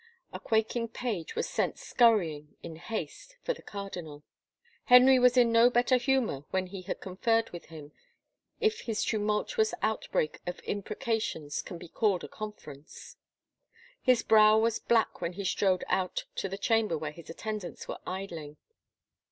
A quaking page was sent scurry ing in haste for the cardinal. Henry was in no better humor when he had conferred with him — if his tumultuous outbreak of imprecations can be called a conference. His brow was black when he strode out to the chamber where his attendants were idling.